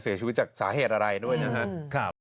เสียชีวิตจากสาเหตุอะไรด้วยนะครับ